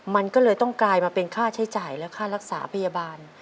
มันก็เลยต้องกลายมาเป็นค่าใช้จ่ายและค่ารักษาพยาบาล